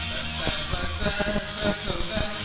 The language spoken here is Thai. แต่แต่ประเจนเธอเท่าไหร่